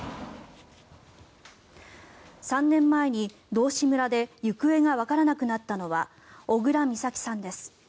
３年前に道志村で行方がわからなくなったのは小倉美咲さんです。